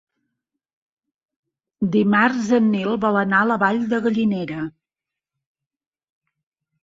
Dimarts en Nil vol anar a la Vall de Gallinera.